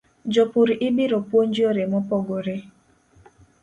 Jopur ibiro puonj yore mopogore